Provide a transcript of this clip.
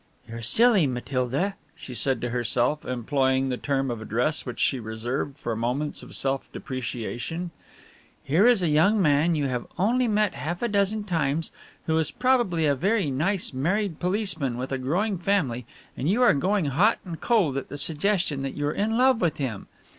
"You're silly, Matilda," she said to herself, employing the term of address which she reserved for moments of self depreciation, "here is a young man you have only met half a dozen times, who is probably a very nice married policeman with a growing family and you are going hot and cold at the suggestion that you're in love with him."